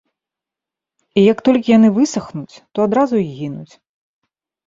І як толькі яны высахнуць, то адразу і гінуць.